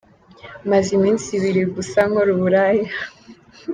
Maze iminsi ibiri gusa nkora uburaya